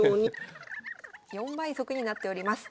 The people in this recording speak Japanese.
４倍速になっております。